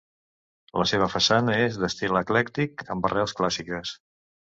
La seva façana és d'estil eclèctic, amb arrels clàssiques.